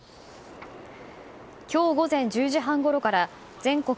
今日午前１０時半ごろから全国